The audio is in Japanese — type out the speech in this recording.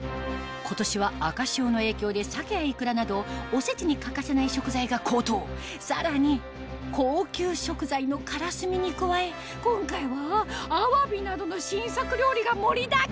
今年は赤潮の影響でサケやイクラなどおせちに欠かせない食材が高騰さらに高級食材のからすみに加え今回はあわびなどの新作料理が盛りだくさん